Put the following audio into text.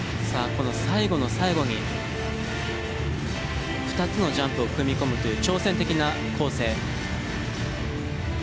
この最後の最後に２つのジャンプを組み込むという挑戦的な構成。